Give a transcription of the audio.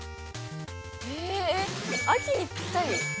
◆えっ、秋にぴったり？